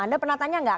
anda pernah tanya tidak